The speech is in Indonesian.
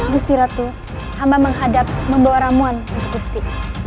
gusti ratu hamba menghadap membawa ramuan untuk gusti